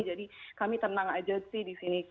jadi kami tenang aja sih di sini